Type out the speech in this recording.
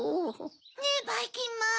ねぇばいきんまん。